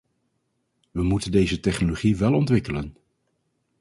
We moeten deze technologie wel ontwikkelen.